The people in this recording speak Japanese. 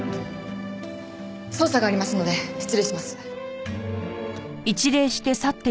捜査がありますので失礼します。